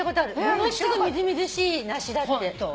ものすごいみずみずしい梨だって。